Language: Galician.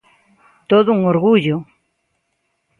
Todo un orgullo!